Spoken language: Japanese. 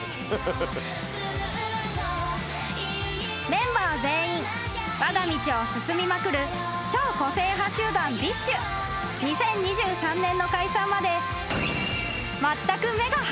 ［メンバー全員わが道を進みまくる超個性派集団ＢｉＳＨ］［２０２３年の解散まで］